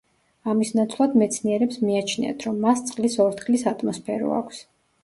ამის ნაცვლად, მეცნიერებს მიაჩნიათ, რომ მას წყლის ორთქლის ატმოსფერო აქვს.